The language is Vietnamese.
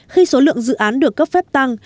khi số lượng dự án được cấp phép tăng